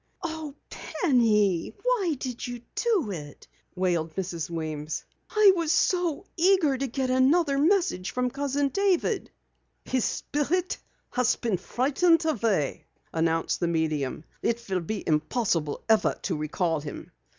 "Oh, Penny, why did you do it?" wailed Mrs. Weems. "I was so eager to get another message from Cousin David." "His Spirit has been frightened away," announced the medium. "It will be impossible ever to recall him.